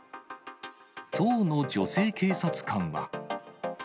当の女性警察官は。